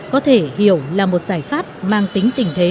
có thể hiểu là một giải pháp mang tính tình thế